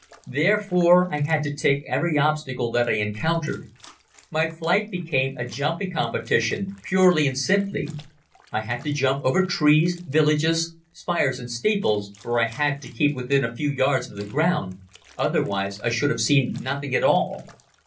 Therefore I had to take every obstacle that I encountered. My flight became a jumping competition purely and simply. I had to jump over trees, villages, spires and steeples, for I had to keep within a few yards of the ground, otherwise I should have seen nothing at all.